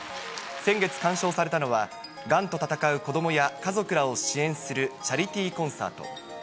先月鑑賞されたのは、がんと闘う子どもや家族らを支援するチャリティーコンサート。